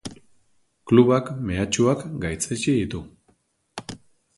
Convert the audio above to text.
Klubak mehatxuak gaitzetsi ditu.